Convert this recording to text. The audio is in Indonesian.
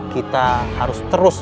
kita harus terus